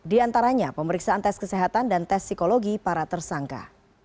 di antaranya pemeriksaan tes kesehatan dan tes psikologi para tersangka